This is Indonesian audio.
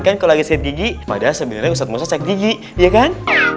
kan kalau lagi cek gigi pada sebenarnya ustadz musa cek gigi iya kan